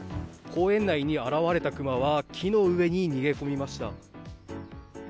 公園内に現れたクマは木の上に逃げ込みました。